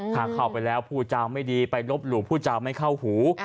ถ้าเข้าไปแล้วผู้จำไม่ดีไปลบหลู่ผู้จาไม่เข้าหู